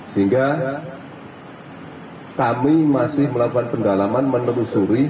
sehingga kami masih melakukan pendalaman menelusuri